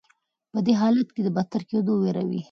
په بد حالت کې د بدتر کیدو ویره وي.